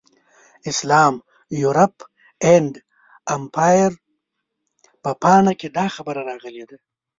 اسلام، یورپ اینډ امپایر په پاڼه کې دا خبره راغلې ده.